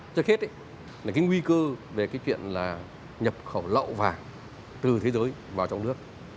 trước hết nguy cơ về chuyện nhập khẩu lậu vàng từ thế giới vào trong nước